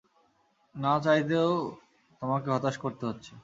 না চাইতেও তোমাকে হতাশ করতে হচ্ছে।